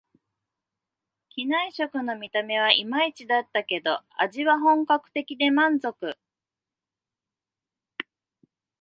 機内食の見た目はいまいちだったけど、味は本格的で満足